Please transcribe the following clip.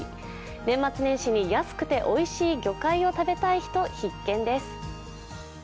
年末年始に安くておいしい魚介を食べたい人、必見です。